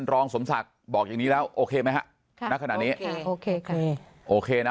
รองสมศักดิ์บอกอย่างนี้แล้วโอเคไหมครับโอเคโอเคโอเคนะ